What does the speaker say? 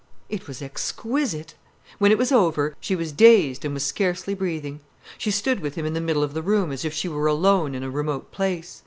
It was exquisite. When it was over, she was dazed, and was scarcely breathing. She stood with him in the middle of the room as if she were alone in a remote place.